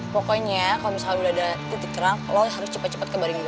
pokoknya kalau misalnya udah ada titik terang lo harus cepet cepet kembarin juga